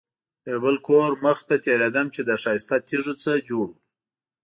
د یو بل کور مخې ته تېرېدم چې له ښایسته تیږو نه جوړ و.